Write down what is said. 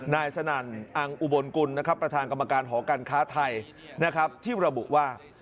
นายสนั่นอังอุบลกุลประธานกรรมการหอการค้าไทยที่ระบุว่า